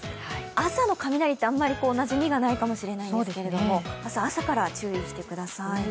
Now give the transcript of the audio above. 朝の雷って、あんまり、なじみがないかもしれないんですが、明日朝から注意してください。